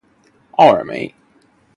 奥尔梅。